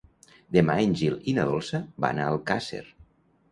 Demà en Gil i na Dolça van a Alcàsser.